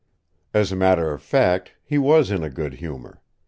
As a matter of fact he was in a good humor.